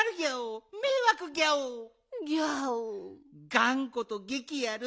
がんことげきやる。